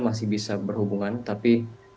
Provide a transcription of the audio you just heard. masih bisa berhubungan tapi